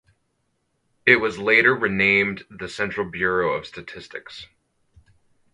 It was later renamed the Central Bureau of Statistics.